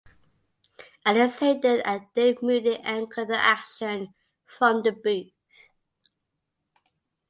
Alex Hayden and Dave Moody anchored the action from the booth.